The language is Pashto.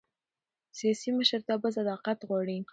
سیاسي مشرتابه صداقت غواړي